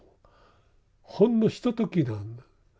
ほんのひとときなんだ。